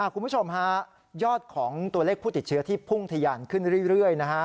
คุณผู้ชมฮะยอดของตัวเลขผู้ติดเชื้อที่พุ่งทะยานขึ้นเรื่อยนะฮะ